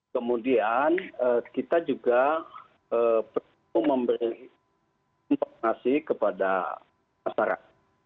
kemudian kita juga perlu memberi informasi kepada masyarakat